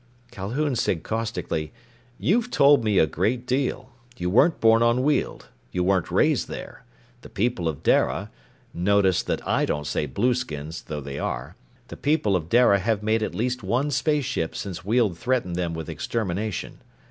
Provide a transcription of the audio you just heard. Calhoun said caustically, "You've told me a great deal. You weren't born on Weald. You weren't raised there. The people of Dara notice that I don't say blueskins, though they are the people of Dara have made at least one space ship since Weald threatened them with extermination.